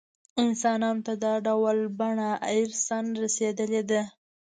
انسانانو ته دا ډول بڼه ارثاً رسېدلې ده.